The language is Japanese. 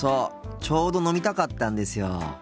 ちょうど飲みたかったんですよ。